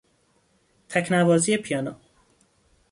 تکنوازی پیانو